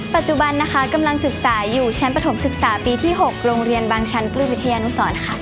ปัจจุบันนะคะกำลังศึกษาอยู่ชั้นประถมศึกษาปีที่๖โรงเรียนบางชั้นปลื้มวิทยานุสรค่ะ